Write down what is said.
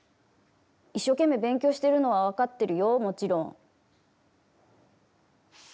一生懸命勉強してるのは分かってるよ、もちろん。